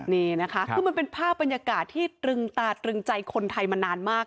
นี่นะคะคือมันเป็นภาพบรรยากาศที่ตรึงตาตรึงใจคนไทยมานานมาก